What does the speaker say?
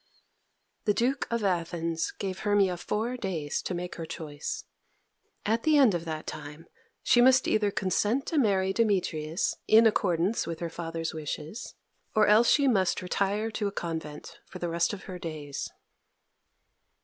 The Duke of Athens gave Hermia four days to make her choice. At the end of that time she must either consent to marry Demetrius, in accordance with her father's wishes, or else she must retire to a convent for the rest of her days.